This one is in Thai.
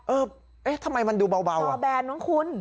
เออเอ๊ะทำไมมันดูเบาอ่ะจอแบนน้องคุณ